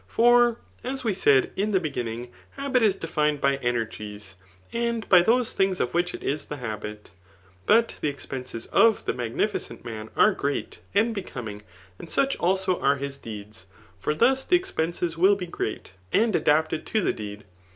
For, as we said in the be ginning, habit is defined by energies, and by those things of which it is the habit. But the expenses of the mag nificent man are great and becoming.; and such also are his deeds } for thus the expense will be great, and adapted to the deed.